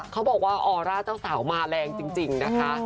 เขาบอกว่าออร่าเจ้าสาวมาแรงจริงนะคะ